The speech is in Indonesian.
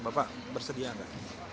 bapak bersedia nggak